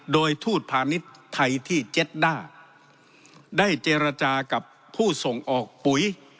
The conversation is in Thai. โดยทูตพาณิชย์ไทยที่เจ็ดด้าได้เจรจากับผู้ส่งออกปุ๋ย